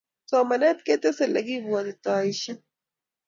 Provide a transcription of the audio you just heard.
somanet kotesei lekibwatutaishee